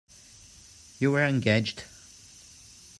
You were engaged.